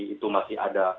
itu masih ada